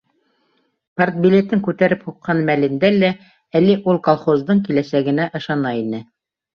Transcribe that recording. Партбилетын күтәреп һуҡҡан мәлендә лә әле ул колхоздың киләсәгенә ышана ине.